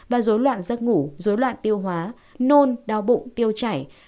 và dối loạn giấc ngủ dối loạn tiêu hóa nôn đau bụng tiêu chảy